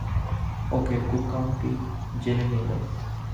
ওকে Cook County জেলে নিয়ে যাও।